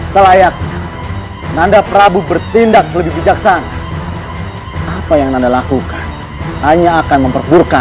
selayak nanda prabu bertindak lebih bijaksana apa yang anda lakukan hanya akan memperpurka